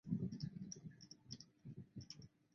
单曲封面登场的成员名单如下表所示。